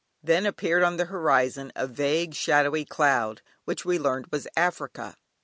Then appeared on the horizon a vague shadowy cloud, which we learned was Africa.